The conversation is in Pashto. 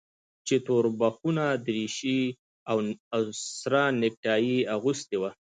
چې توربخونه دريشي او سره نيكټايي يې اغوستې وه.